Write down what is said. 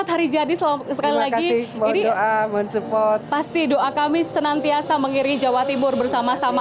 hari jadi selalu sekali lagi di support pasti doa kami senantiasa mengiringi jawa timur bersama sama